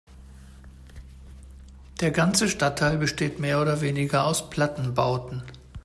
Der ganze Stadtteil besteht mehr oder weniger aus Plattenbauten.